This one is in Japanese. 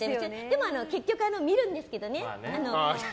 でも結局見るんですけどね。